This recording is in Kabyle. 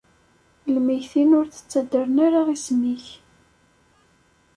Lmeyytin ur d-ttadren ara isem-ik.